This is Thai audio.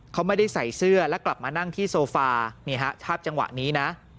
เขาไม่ได้ใส่เสื้อแล้วกลับมานั่งที่โซฟานี่ฮะภาพจังหวะนี้นะ